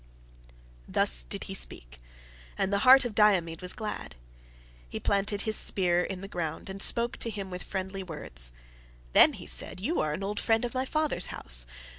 Thus did he speak, and the heart of Diomed was glad. He planted his spear in the ground, and spoke to him with friendly words. "Then," he said, "you are an old friend of my father's house.